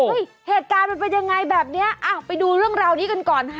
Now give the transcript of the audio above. เหตุการณ์มันเป็นยังไงแบบเนี้ยอ้าวไปดูเรื่องราวนี้กันก่อนค่ะ